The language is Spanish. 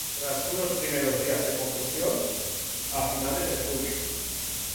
Tras unos primeros días de confusión, a finales de julio.